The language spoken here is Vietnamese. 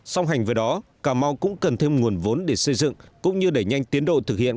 song hành với đó cà mau cũng cần thêm nguồn vốn để xây dựng cũng như đẩy nhanh tiến độ thực hiện